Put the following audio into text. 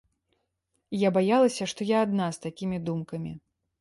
Я баялася, што я адна з такімі думкамі.